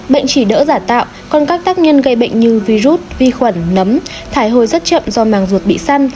bệnh chỉ đỡ giả tạo còn các tác nhân gây bệnh như virus vi khuẩn nấm thải hồi rất chậm do màng ruột bị săn